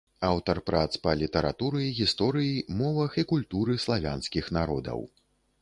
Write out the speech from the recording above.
Аўтар прац па літаратуры, гісторыі, мовах і культуры славянскіх народаў.